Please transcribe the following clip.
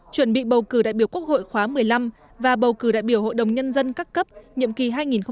chuẩn bị bầu cử đại biểu quốc hội khóa một mươi năm và bầu cử đại biểu hội đồng nhân dân các cấp nhiệm kỳ hai nghìn hai mươi một hai nghìn hai mươi sáu